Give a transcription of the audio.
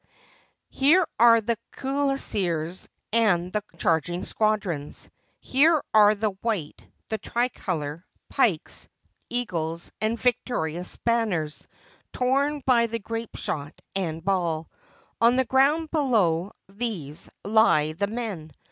Here are the cuirassiers and the charging squadrons; here are the white, the tricolor, pikes, eagles, and victorious banners, torn by grapeshot and ball. On the ground below these lie the men.